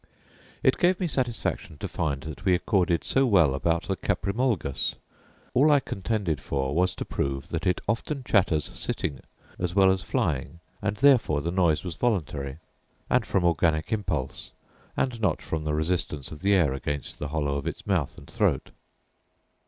It gave me satisfaction to find that we accorded so well about the caprimulgus: all I contended for was to prove that it often chatters sitting as well as flying; and therefore the noise was voluntary, and from organic impulse, and not from the resistance of the air against the hollow of its mouth and throat.